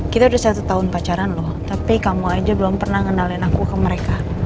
kita udah satu tahun pacaran loh tapi kamu aja belum pernah ngendalin aku ke mereka